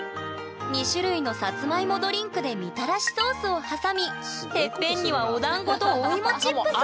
２種類のさつまいもドリンクでみたらしソースを挟みてっぺんにはおだんごとお芋チップスが！